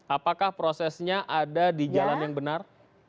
apakah prosesnya ada di jalan yang benar